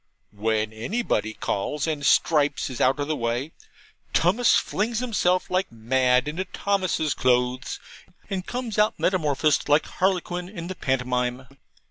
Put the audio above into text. When anybody calls, and Stripes is out of the way, Tummus flings himself like mad into Thomas's clothes, and comes out metamorphosed like Harlequin in the pantomime.